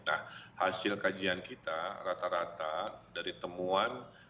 nah hasil kajian kita rata rata dari temuan